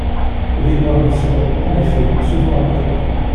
Les Noirs y sont, en effet, souvent à l'étroit.